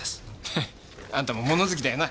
ヘッあんたも物好きだよな。